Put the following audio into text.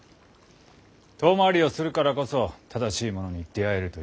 遠回りをするからこそ正しいものに出会えるというのに。